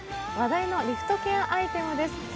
話題のリフトケアアイテムです。